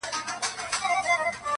اورنګ زېب-